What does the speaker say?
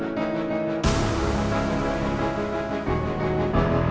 terima kasih banyak om